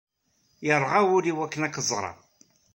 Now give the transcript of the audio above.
Yerɣa wul-inu akken ad k-ẓreɣ.